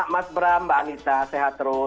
mas bram mbak anissa sehat terus